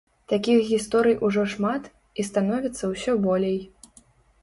Такіх гісторый ужо шмат, і становіцца ўсё болей.